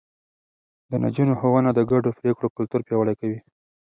د نجونو ښوونه د ګډو پرېکړو کلتور پياوړی کوي.